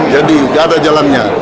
jadi nggak ada jalannya